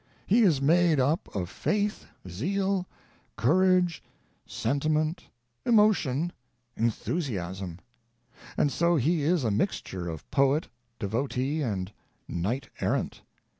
He is made up of faith, zeal, courage, sentiment, emotion, enthusiasm; and so he is a mixture of poet, devotee and knight errant.